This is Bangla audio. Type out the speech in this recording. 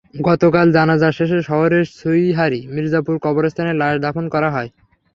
গতকাল জানাজা শেষে শহরের সুইহারী মির্জাপুর কবরস্থানে লাশ দাফন করা হয়।